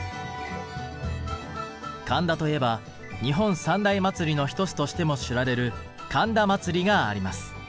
神田といえば日本三大祭りの一つとしても知られる神田祭があります。